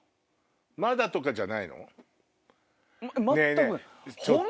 まだとかじゃないの？ホンマ？